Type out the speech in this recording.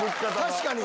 確かに！